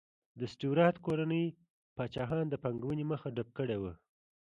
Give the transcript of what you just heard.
د سټیورات کورنۍ پاچاهانو د پانګونې مخه ډپ کړې وه.